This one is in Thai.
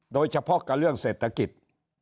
โดยเฉพาะกับเรื่องเศรษฐกิจ